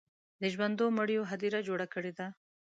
د ژوندو مړیو هدیره جوړه کړې ده.